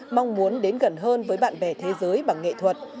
mong muốn đến gần hơn với bạn bè thế giới bằng nghệ thuật